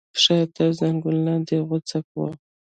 پښه تر زنګانه لاندې غوڅه وه.